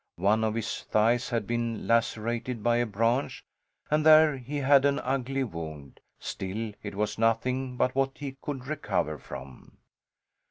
One of his thighs had been lacerated by a branch, and there he had an ugly wound; still it was nothing but what he could recover from.